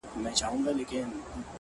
چي د وجود له آخرې رگه وتلي شراب _